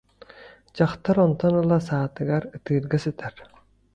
Дьахтар онтон ыла саатыгар ытыырга сытар